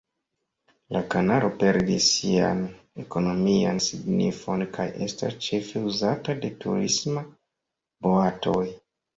La kanalo perdis sian ekonomian signifon kaj estas ĉefe uzata de turismaj boatoj.